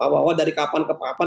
bahwa dari kapan ke papan